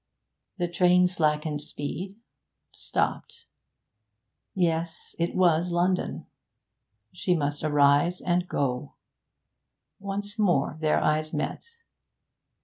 The train slackened speed, stopped. Yes, it was London. She must arise and go. Once more their eyes met.